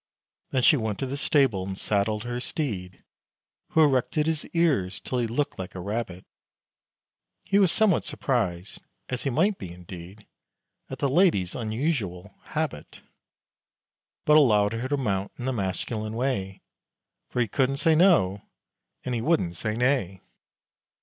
Then she went to the stable and saddled her steed, Who erected his ears, till he looked like a rabbit, He was somewhat surprised, as he might be, indeed, At the lady's unusual "habit"; But allowed her to mount in the masculine way, For he couldn't say "No," and he wouldn't say "Neigh!"